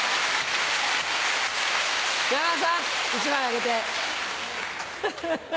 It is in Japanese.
山田さん１枚あげて。